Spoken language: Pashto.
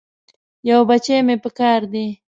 یو بچی مې پکار دی.